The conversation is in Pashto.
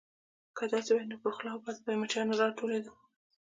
_که داسې وای، نو پر خوله او پزه به يې مچان نه راټولېدای.